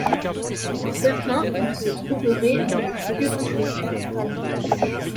Pour certains ils se trouveraient dans le Kyūshū.